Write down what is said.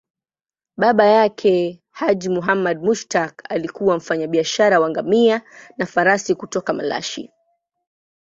Baba yake, Haji Muhammad Mushtaq, alikuwa mfanyabiashara wa ngamia na farasi kutoka Malashi.